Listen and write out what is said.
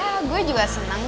ya gue juga seneng